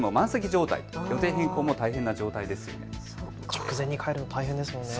直前に変えるのは大変ですもんね。